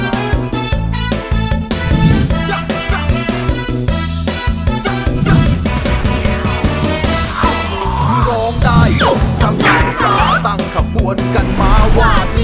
เร็วอย่าช้าเลยนะไม่นานวนยาย